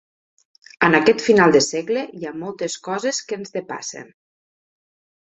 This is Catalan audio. En aquest final de segle hi ha moltes coses que ens depassen.